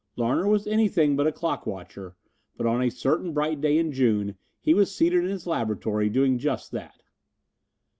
Larner was anything but a clock watcher, but on a certain bright day in June he was seated in his laboratory doing just that.